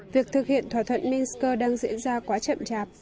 việc thực hiện thỏa thuận minsk đang diễn ra quá chậm chạp